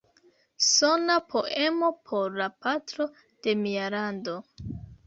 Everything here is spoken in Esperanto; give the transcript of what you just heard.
Sona poemo por la patro de mia lando".